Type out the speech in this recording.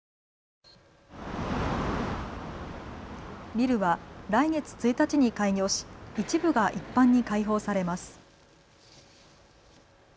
ビルは来月１日に開業し一部が一般に開放されます。